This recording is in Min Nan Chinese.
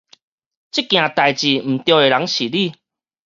這件代誌毋著的人是你